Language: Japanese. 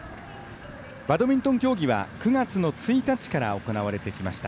バドミントン競技は９月の１日から行われてきました。